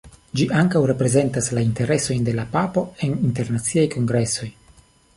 Ĝi ankaŭ reprezentas la interesojn de la papo en internaciaj kongresoj.